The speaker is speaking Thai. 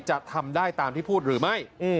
จะทำได้ตามที่พูดหรือไม่